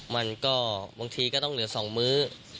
บางทีก็ต้องเหลือ๒มื้อ